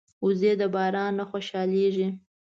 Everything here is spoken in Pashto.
وزې د باران نه خوشحالېږي